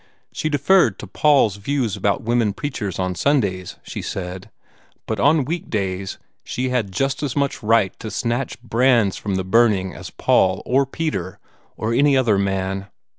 She deferred to Paul's views about women preachers on Sundays, she said; but on weekdays she had just as much right to snatch brands from the burning as Paul, or Peter, or any other man.